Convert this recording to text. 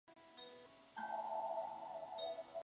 锯脂鲤亚科与其他脂鲤目的关系仍有待确定。